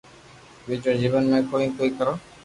ٻيجو جيون ۾ ڪوئي ڪوئي ڪرو